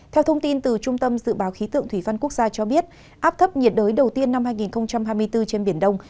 theo thông tin từ trung tâm dự báo khí tượng thủy văn quốc gia cho biết áp thấp nhiệt đới đầu tiên năm hai nghìn hai mươi bốn trên biển đông